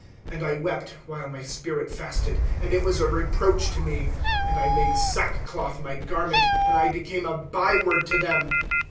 1" And I wept, while my spirit fasted, And it was a reproach to me. ^^ And I made' sackcloth my garment, And I became a by word to them.